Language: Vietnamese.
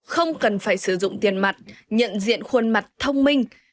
không cần phải sử dụng tiền mặt nhận diện khuôn mặt thông minh